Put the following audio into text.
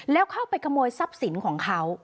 แล้วเข้าไปขโมยทรัพย์สินของเขา